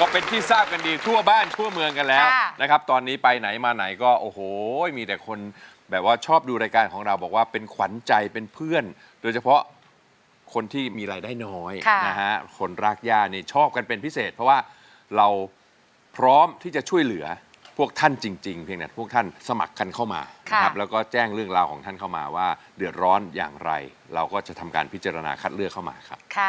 ก็เป็นที่ทราบกันดีทั่วบ้านทั่วเมืองกันแล้วนะครับตอนนี้ไปไหนมาไหนก็โอ้โหมีแต่คนแบบว่าชอบดูรายการของเราบอกว่าเป็นขวัญใจเป็นเพื่อนโดยเฉพาะคนที่มีรายได้น้อยนะฮะคนรักย่านี่ชอบกันเป็นพิเศษเพราะว่าเราพร้อมที่จะช่วยเหลือพวกท่านจริงเพียงนี้พวกท่านสมัครกันเข้ามาแล้วก็แจ้งเรื่องราวของท่านเข้า